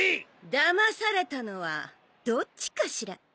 だまされたのはどっちかしら？